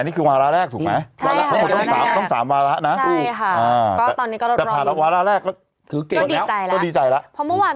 นี่คือวาระแรกถูกไหม